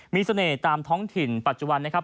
มีเสน่ห์ตามท้องถิ่นปัจจุบันนะครับ